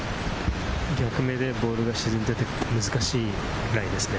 逆目でボールが沈んでいて、難しいライですね。